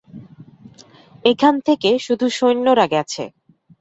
এখান থেকে শুধু সৈন্যরা গেছে।